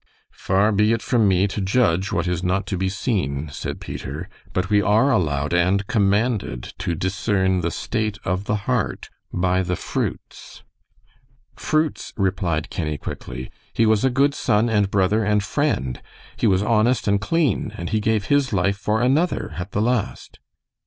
"Far be it from me to judge what is not to be seen," said Peter. "But we are allowed and commanded to discern the state of the heart by the fruits." "Fruits?" replied Kenny, quickly. "He was a good son and brother and friend; he was honest and clean, and he gave his life for another at the last."